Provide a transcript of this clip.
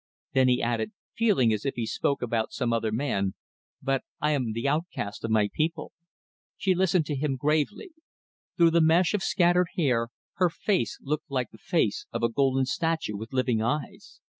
Then he added, feeling as if he spoke about some other man, "But I am the outcast of my people." She listened to him gravely. Through the mesh of scattered hair her face looked like the face of a golden statue with living eyes.